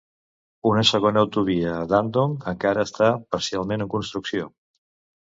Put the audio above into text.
Una segona autovia a Dandong encara està parcialment en construcció.